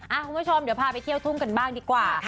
คุณผู้ชมเดี๋ยวพาไปเที่ยวทุ่งกันบ้างดีกว่า